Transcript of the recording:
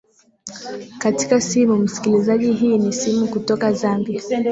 katika simu msikilizaji hii ni simu kutoka zambia